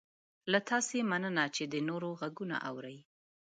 له تاسې مننه چې د نورو غږونه اورئ